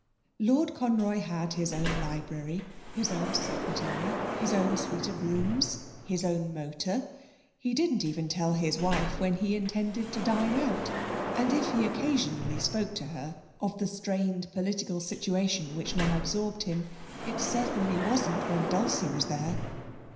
Lord Conroy had his own library, his own secretary, his own suite of rooms, his own motor, he didn't even tell his wife when he intended to dine out, and if he occasionally spoke to her of the strained political situation which now absorbed him, it certainly wasn't when Dulcie was there.